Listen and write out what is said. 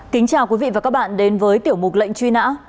kính chào quý vị và các bạn đến với tiểu mục lệnh truy nã